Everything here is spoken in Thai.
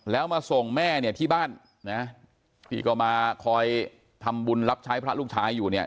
แล้วมาส่งแม่เนี่ยที่บ้านนะที่ก็มาคอยทำบุญรับใช้พระลูกชายอยู่เนี่ย